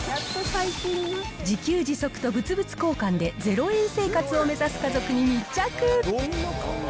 自給自足と物々交換で、０円生活を目指す家族に密着。